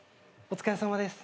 お疲れさまです。